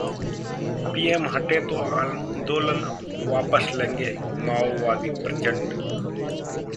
PM हटें तो आंदोलन वापस ले लेंगे माओवादीः प्रचंड